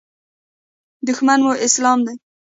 دښمن مو اسلام دی.